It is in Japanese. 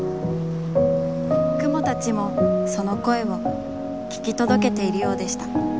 雲たちもその声を、ききとどけているようでした。